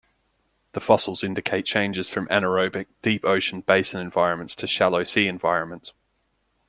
The fossils indicate changes from anaerobic, deep ocean-basin environments to shallow sea environments.